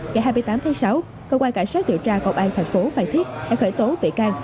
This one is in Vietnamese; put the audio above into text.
ngày hai mươi tám tháng sáu cơ quan cảnh sát điều tra công an thành phố phan thiết đã khởi tố bị can